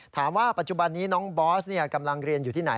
ถามว่าปัจจุบันนี้น้องบอสกำลังเรียนอยู่ที่ไหน